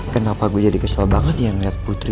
kenapa gue jadi kesal banget ya ngeliat putri